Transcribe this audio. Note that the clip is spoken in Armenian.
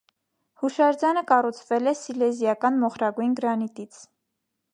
Հուշարձանը կառուցվել է սիլեզիական մոխրագույն գրանիտից։